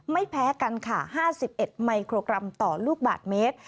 ไม่แพ้กันค่ะ๕๑มิโครกรัมต่อลูกบาทเมตร